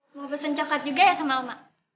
mau pesen coklat juga ya sama oma